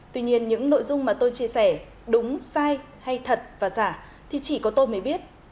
tuy nhiên những nội dung mà tôi chia sẻ đúng sai hay thật và giả thì chỉ có tôi mới biết